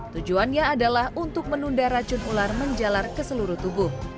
tujuannya adalah untuk menunda racun ular menjalar ke seluruh tubuh